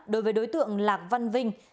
đối với đối tượng lạc văn vinh